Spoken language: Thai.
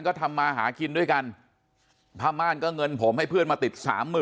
ก็ทำอาหากินด้วยกันพระม่านก็เงินผมให้เพื่อนมาติด๓๐๐๐๐